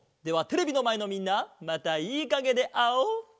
ではテレビのまえのみんなまたいいかげであおう！